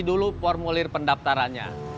isi dulu formulir pendaftarannya